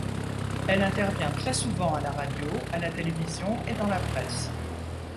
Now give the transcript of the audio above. Elle intervient très souvent à la radio, à la télévision et dans la presse.